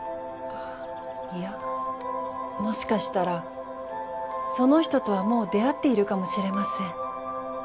いやもしかしたらその人とはもう出会っているかもしれません。